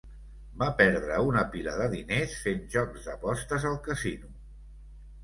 Va perdre una pila de diners fent jocs d'apostes al casino.